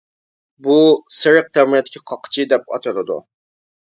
بۇ سېرىق تەمرەتكە قاقىچى دەپ ئاتىلىدۇ.